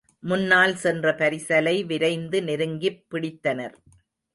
முன்னால் சென்ற பரிசலை விரைந்து நெருங்கிப் பிடித்தனர்.